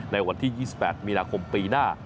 ในวันที่๒๘มีนาคมปีหน้า